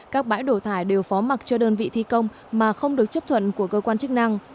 các bãi đổ thải đều phó mặt cho đơn vị thi công mà không được chấp thuận của cơ quan chức năng